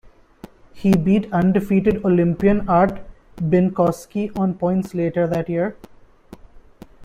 He beat undefeated Olympian Art Binkowski on points later that year.